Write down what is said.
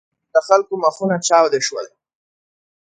د خلکو مخونه چاودې شول.